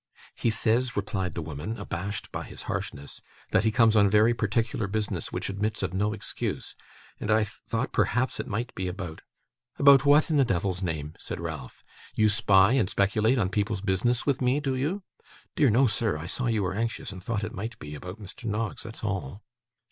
'He says,' replied the woman, abashed by his harshness, 'that he comes on very particular business which admits of no excuse; and I thought perhaps it might be about ' 'About what, in the devil's name?' said Ralph. 'You spy and speculate on people's business with me, do you?' 'Dear, no, sir! I saw you were anxious, and thought it might be about Mr Noggs; that's all.